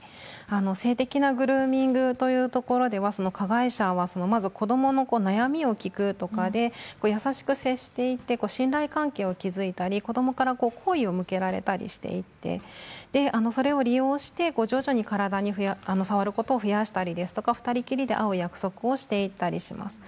性的なグルーミングというところでは加害者はまず子どもの悩みを聞くということで優しく接していって信頼関係を築いたり子どもから好意を向けられたりしていってそれを利用して徐々に体に触ることを増やしたりですとか２人きりで会う約束をしていたりします。